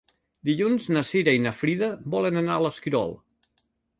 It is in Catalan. Dilluns na Cira i na Frida volen anar a l'Esquirol.